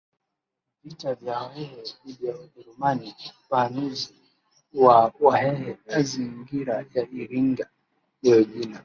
vita vya Wahehe dhidi ya WajerumaniUpanuzi wa Wahehe azingira ya Iringa leo Jina